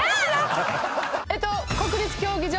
えっと国立競技場？